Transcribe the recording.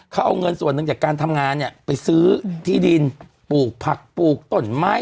เขาเอาเงินส่วนหนึ่งจากการทำงานเนี่ยไปซื้อที่ดินปลูกผักปลูกต้นไม้